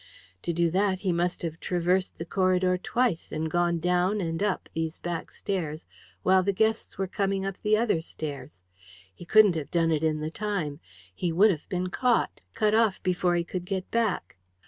To do that he must have traversed the corridor twice and gone down and up these back stairs while the guests were coming up the other stairs. He couldn't have done it in the time. He would have been caught cut off before he could get back.